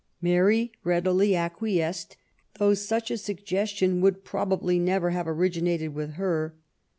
Mary readily acquiesced, though such a suggestion would probably never have originated with her.